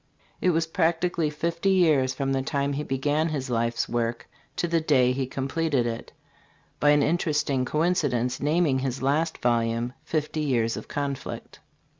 It was practically fifty years from the time he began his life's work to the day he completed it by an interesting coincidence naming his last volume, "Fifty Years of Conflict."